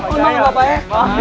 tolong bapak ya